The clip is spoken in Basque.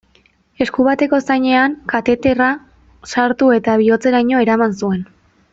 Esku bateko zainean kateterra sartu eta bihotzeraino eraman zuen.